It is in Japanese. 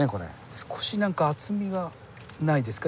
少しなんか厚みがないですか？